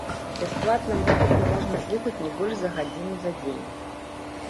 Бясплатна музыку можна слухаць не больш за гадзіну за дзень.